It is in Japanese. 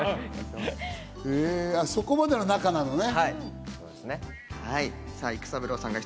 そこまでの仲なのね。